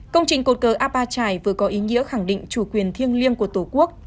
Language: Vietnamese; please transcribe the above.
công trình cột cờ apache vừa có ý nghĩa khẳng định chủ quyền thiêng liêng của tổ quốc